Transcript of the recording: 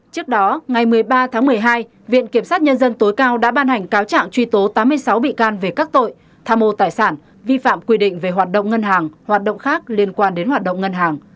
trước đó ngày một mươi ba tháng một mươi hai viện kiểm sát nhân dân tối cao đã ban hành cáo trạng truy tố tám mươi sáu bị can về các tội tham mô tài sản vi phạm quy định về hoạt động ngân hàng hoạt động khác liên quan đến hoạt động ngân hàng